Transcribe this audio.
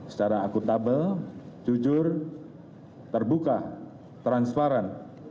secara akuntabel jujur terbuka transparan